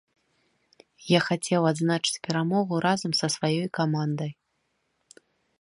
Я хацеў адзначыць перамогу разам са сваёй камандай.